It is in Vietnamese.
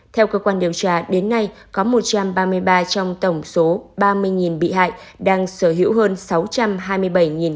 theo cơ quan điều tra đến nay có một trăm ba mươi ba trong tổng số ba mươi bị hại đang sở hữu hơn sáu trăm hai mươi bảy tỷ đồng